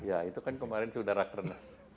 ya itu kan kemarin sudah rakernas